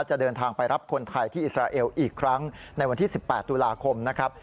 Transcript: จะเดินทางไปรับคนไทยที่อิสราเอลอีกครั้งในวันที่๑๘ตุลาคมนะครับ